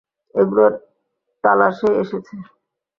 এগুলোর তালাশেই এসেছে।